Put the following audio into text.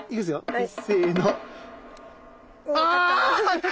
はい。